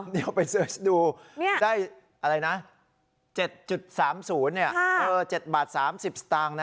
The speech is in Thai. นี่ค่ะเอาไปเสิร์ชดูได้อะไรนะ๗๓๐เนี่ย๗บาท๓๐ตังค์นะ